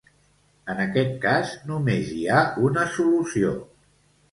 En aquest cas només hi ha una solució.